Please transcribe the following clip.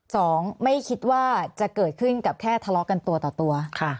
สองไม่คิดว่าจะเกิดขึ้นกับแค่ทะเลาะกันตัวต่อตัว